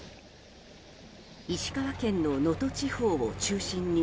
石川県の能登地方を中心に